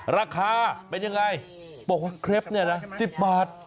ราคาเป็นยังไงบอกว่าเคล็ป๑๐บาท